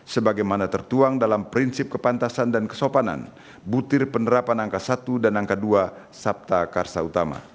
sebagaimana tertuang dalam prinsip kepantasan dan kesopanan butir penerapan angka satu dan angka dua sabta karsa utama